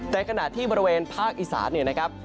แต่ขณะที่บริเวณภาคอิษฐา